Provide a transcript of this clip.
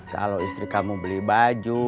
kalau istri kamu beli baju